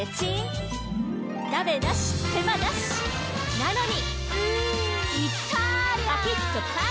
なのに。